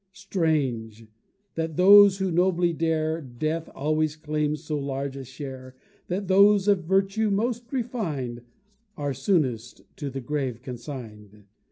Strange! that of those who nobly dare Death always claims so large a share, That those of virtue most refin'd Are soonest to the grave consign'd!